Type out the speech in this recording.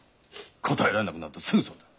答えられなくなるとすぐそれだ。